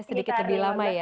sedikit lebih lama ya